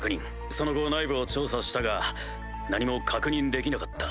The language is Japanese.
その後内部を調査したが何も確認できなかった。